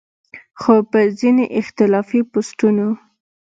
خو پۀ ځينې اختلافي پوسټونو